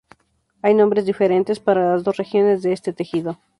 Hay nombres diferentes para las dos regiones de este tejido.